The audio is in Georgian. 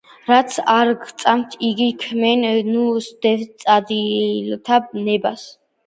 რაცა არ გწადდეს, იგი ქმენ, ნუ სდევ წადილთა ნებასა!